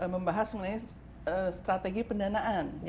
membahas mengenai strategi pendanaan